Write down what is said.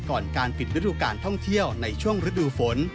ก่อนการปิดฤดูการท่องเที่ยวในช่วงฤดูฝน